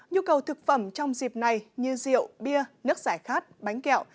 nhu cầu thực phẩm trong dịp này như rượu bia nước giải khát bánh kẹo